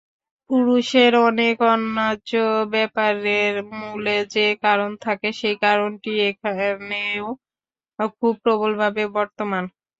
পুরুষের অনেক অন্যায্য ব্যাপারের মূলে যে কারণ থাকে সেই কারণটি এখানেও খুব প্রবলভাবে বর্তমান।